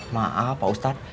maaf pak ustaz